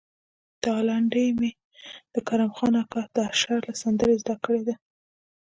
دا لنډۍ مې د کرم خان اکا د اشر له سندرې زده کړې ده.